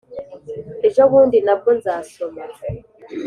Ejobundi na bwo nzasoma